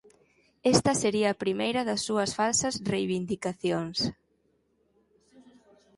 Esta sería a primeira das súas falsas reivindicacións.